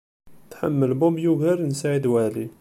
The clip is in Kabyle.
Tḥemmel Bob ugar n Saɛid Waɛli.